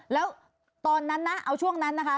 แล้วตอนนั้นนะเอาช่วงนั้นนะคะ